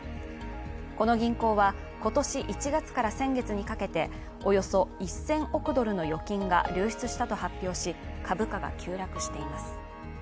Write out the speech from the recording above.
この銀行は今年１月から先月にかけておよそ１０００億ドルの預金が流出したと発表し株価が急落しています。